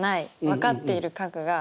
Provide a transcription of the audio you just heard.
分かっている角が。